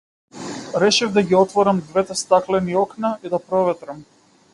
Решив да ги отворам двете стаклени окна и да проветрам.